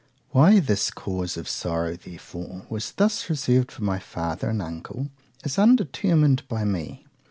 Why this cause of sorrow, therefore, was thus reserved for my father and uncle, is undetermined by me.